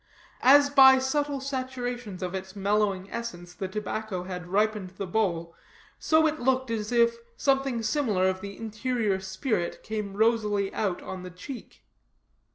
As by subtle saturations of its mellowing essence the tobacco had ripened the bowl, so it looked as if something similar of the interior spirit came rosily out on the cheek.